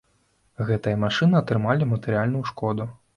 Гэтыя машыны атрымалі матэрыяльную шкоду.